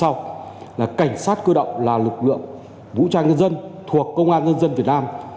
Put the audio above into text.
cảnh sát cơ động là lực lượng vũ trang dân dân thuộc công an dân dân việt nam